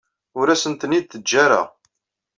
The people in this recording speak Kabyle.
Ur asent-ten-id-teǧǧa ara.